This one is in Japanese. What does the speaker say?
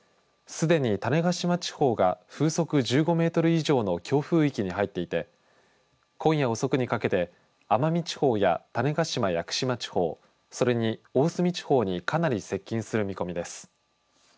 すでに、種子島地方が風速１５メートル以上の強風域に入っていて今夜遅くにかけて奄美地方や種子島・屋久島地方それに大隅地方にかなり接近する見込みです。